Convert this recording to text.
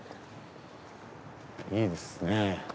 いいですね。